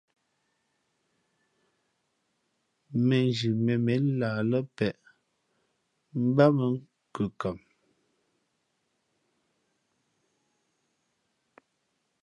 Mēnzhi mēmmᾱ e lah lά peʼ, mbát mᾱ kʉkam.